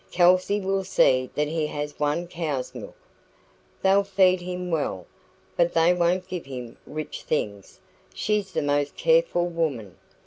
Kelsey will see that he has one cow's milk. They'll feed him well, but they won't give him rich things; she's the most careful woman.